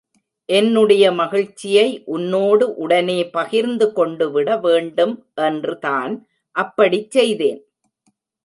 என்னுடைய மகிழ்ச்சியை உன்னோடு உடனே பகிர்ந்து கொண்டுவிட வேண்டும் என்று தான் அப்படிச் செய்தேன்.